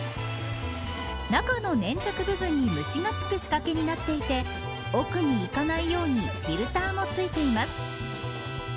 中の粘着部分に虫がつく仕掛けになっていて奥に行かないようにフィルターもついています。